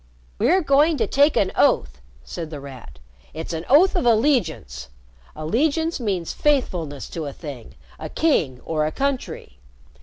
"We're going to take an oath," said The Rat. "It's an oath of allegiance. Allegiance means faithfulness to a thing a king or a country.